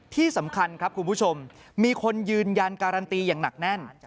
ที่สำคัญครับคุณผู้ชมมีคนยืนยันการันตีอย่างหนักแน่น